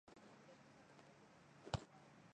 它类似微软的组件对象模型。